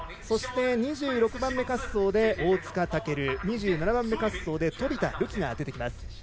そして、２６番目滑走で大塚健２７番目滑走で飛田流輝が出てきます。